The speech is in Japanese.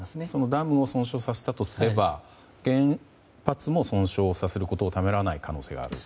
ダムを損傷させたとすれば原発も損傷させることをためらわない可能性があると。